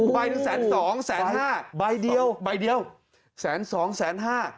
ใบหนึ่งแสนสองแสนห้าใบเดียวใบเดียวแสนสองแสนห้า